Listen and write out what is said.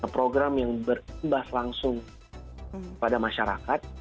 program yang berimbas langsung pada masyarakat